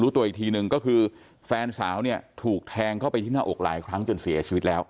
ตัวอีกทีหนึ่งก็คือแฟนสาวเนี่ยถูกแทงเข้าไปที่หน้าอกหลายครั้งจนเสียชีวิตแล้ว